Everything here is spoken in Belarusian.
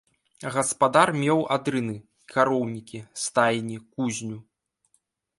Гаспадар меў адрыны, кароўнікі, стайні, кузню.